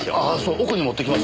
奥に持っていきます。